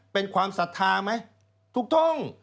เป็นความสัทธาไหมถูกต้อง